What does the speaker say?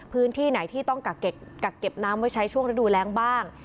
พื้นที่ไหนที่ต้องกักเก็บน้ำไว้ใช้ช่วงฤดูแรงบ้าง